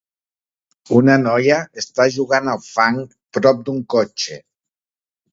Una noia està jugant al fang prop d'un cotxe.